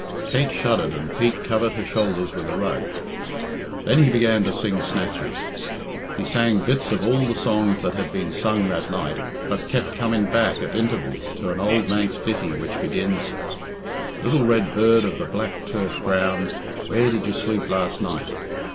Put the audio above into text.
Kate shuddered and Pete covered her shoulders with a rug. Then he began to sing snatches. He sang bits of all the songs that had been sung that night, but kept coming back at intervals to an old Manx ditty which begins "Little red bird of the black turf ground, Where did you sleep last night?"